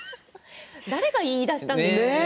誰が言いだしたんですかね。